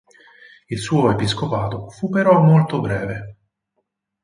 Il suo episcopato fu però molto breve.